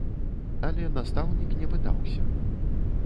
Але настаўнік не пытаўся.